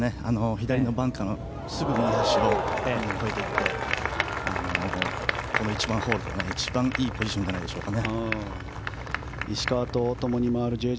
左のバンカーを越えて行ってこの１番ホールで一番いいポジションじゃないですか。